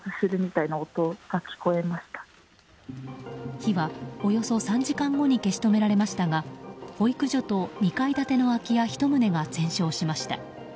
火はおよそ３時間後に消し止められましたが保育所と２階建ての空き家１棟が全焼しました。